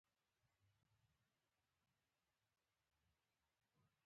ـ اوښه کوم ځاى د سم دى ،چې پاتې شوه غاړه؟؟